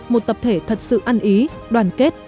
một tập thể thật sự ăn ý đoàn kết